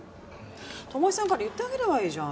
巴さんから言ってあげればいいじゃん